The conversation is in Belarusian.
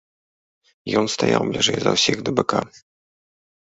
Ён стаяў бліжэй за ўсіх да быка.